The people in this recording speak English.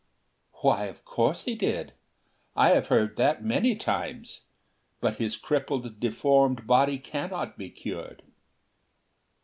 "Why, of course he did. I have heard that many times. But his crippled, deformed body cannot be cured."